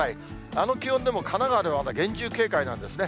あの気温でも神奈川では厳重警戒なんですね。